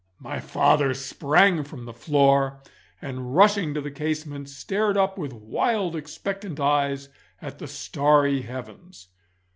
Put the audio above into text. My father sprang from the floor, and rushing to the casement, stared up with wild expectant eyes at the starry heavens.